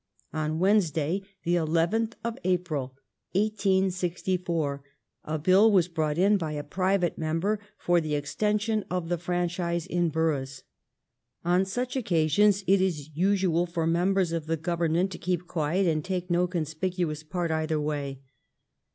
On Wednesday, the eleventh of April, 1864, a bill was brought in by a private mem ber for the extension of the franchise in boroughs. On such occasions it is usual for members of the Government to keep quiet and take no conspicuous part either way.